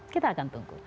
kita akan tunggu